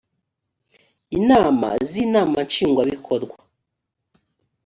inama z inama nshingwabikorwa